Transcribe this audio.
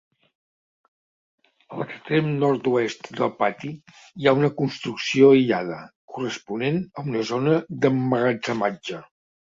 A l'extrem nord-oest del pati hi ha una construcció aïllada, corresponent a una zona d'emmagatzematge.